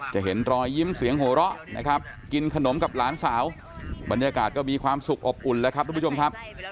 เห็นรอยยิ้มเสียงหัวเราะนะครับกินขนมกับหลานสาวบรรยากาศก็มีความสุขอบอุ่นแล้วครับทุกผู้ชมครับ